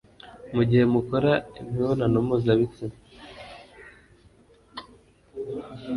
mu gihe mukora imibonano mpuzabitsina